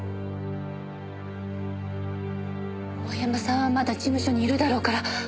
大山さんはまだ事務所にいるだろうから。